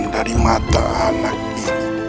dari mata anak ini